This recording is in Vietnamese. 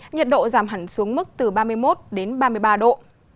nhiệt độ giảm hẳn xuống mức từ ba mươi một đến ba mươi ba độ